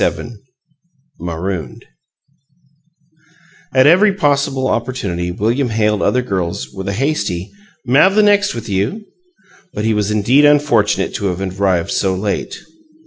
XXVII MAROONED At every possible opportunity William hailed other girls with a hasty "M'av the next 'thyou?" but he was indeed unfortunate to have arrived so late.